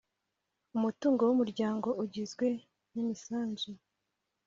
umutungo w umuryango ugizwe n imisanzu